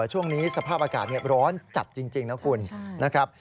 ช่วงนี้สภาพอากาศร้อนจัดจริงนะคุณนะครับ